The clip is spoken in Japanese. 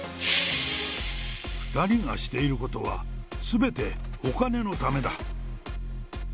２人がしていることは、すべてお金のためだ。